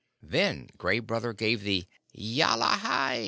Then Gray Brother gave the _Ya la hi!